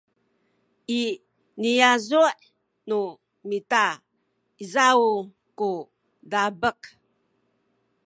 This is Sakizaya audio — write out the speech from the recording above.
i niyazu’ nu mita izaw ku dabek